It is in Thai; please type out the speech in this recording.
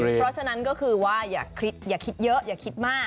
เพราะฉะนั้นก็คือว่าอย่าคิดเยอะอย่าคิดมาก